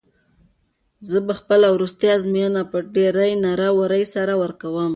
زه به خپله وروستۍ ازموینه په ډېرې نره ورۍ سره ورکوم.